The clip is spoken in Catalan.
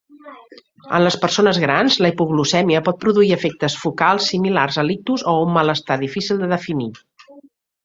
En les persones grans, la hipoglucèmia pot produir efectes focals similars a l'ictus o un malestar difícil de definir.